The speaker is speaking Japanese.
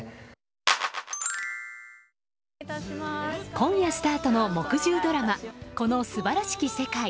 今夜スタートの木１０ドラマ「この素晴らしき世界」。